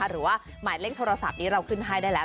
หรือว่าหมายเลขโทรศัพท์นี้เราขึ้นให้ได้แล้ว